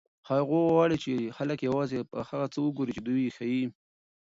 هغوی غواړي چې خلک یوازې هغه څه وګوري چې دوی یې ښيي.